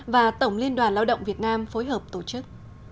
và tổng liên đoàn lao động việt nam phối hợp tổ chức